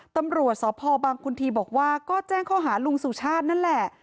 ตำรวจสพบังคุณทีบอกว่าก็แจ้งข้อหาลุงสุชาตินั่นแหละ